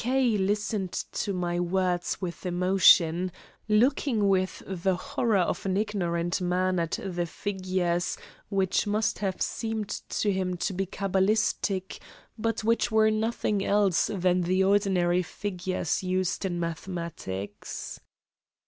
K. listened to my words with emotion, looking with the horror of an ignorant man at the figures which must have seemed to him to be cabalistic, but which were nothing else than the ordinary figures used in mathematics.